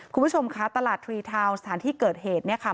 คุณผู้ชมคะตลาดทรีทาวน์สถานที่เกิดเหตุเนี่ยค่ะ